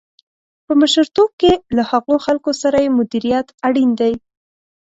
په مشرتوب کې له هغو خلکو سره یې مديريت اړين دی.